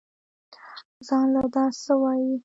زان له دا سه وايې.